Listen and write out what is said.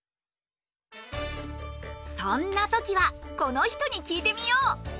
そんな時はこの人に聞いてみよう。